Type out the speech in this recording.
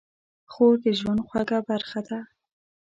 خور د ژوند خوږه برخه ده.